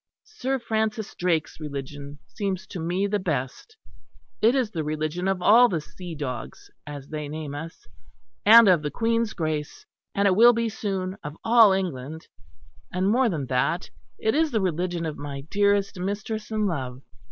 Sir Francis Drake's religion seems to me the best; it is the religion of all the 'sea dogs' as they name us; and of the Queen's Grace, and it will be soon of all England; and more than all it is the religion of my dearest mistress and love.